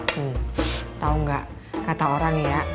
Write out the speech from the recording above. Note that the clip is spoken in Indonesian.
hmm tau gak kata orang ya